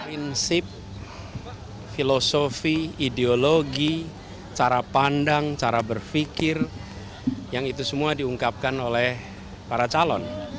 prinsip filosofi ideologi cara pandang cara berpikir yang itu semua diungkapkan oleh para calon